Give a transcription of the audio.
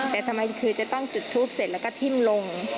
แต่ทำไมคือจะต้องจุดทูปเสร็จแล้วก็ทิ้มลง